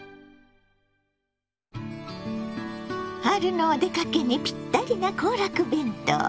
春のお出かけにぴったりな行楽弁当。